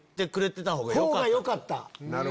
よかった。